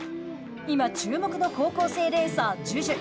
今、注目の高校生レーサーＪｕｊｕ。